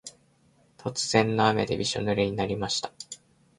突然の雨でびしょぬれになりました。